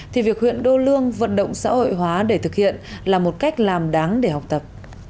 thì việc huyện đô lương vận động xã hội hóa để thực hiện là một cách làm đáng để học tập